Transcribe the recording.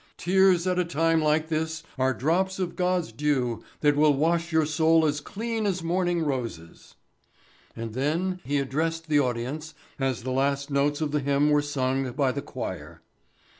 "Tears at a time like this are drops of God's dew that will wash your soul as clean as morning roses." And then he addressed the audience as the last notes of the hymn were sung by the choir.